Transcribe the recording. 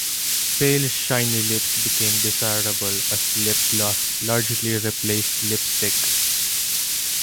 Pale, shiny lips became desirable, as lip gloss largely replaced lipstick.